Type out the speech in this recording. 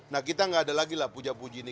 nah kita nggak ada lagi lah puja puji ini